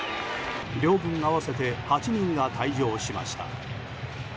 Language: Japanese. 両軍合わせて８人が退場しました。